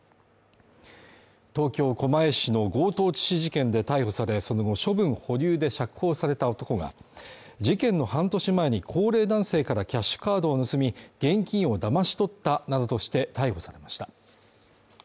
東京・狛江市の強盗致死事件で逮捕されその後処分保留で釈放された男が、事件の半年前に高齢男性からキャッシュカードを盗み、現金をだまし取ったなどとして逮捕されました。